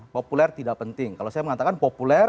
populer tidak penting kalau saya mengatakan populer